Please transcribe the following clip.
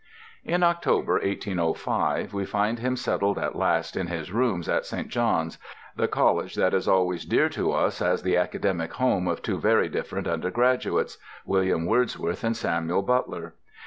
In October, 1805, we find him settled at last in his rooms at St. John's, the college that is always dear to us as the academic home of two very different undergraduates—William Wordsworth and Samuel Butler.